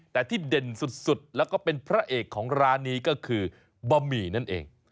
แต่ที่เด่นสุดแล้วก็เป็นพระเอกของร้านนี้ก็คือบะหมี่นั่นเอง